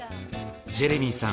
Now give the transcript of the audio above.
ジェレミーさん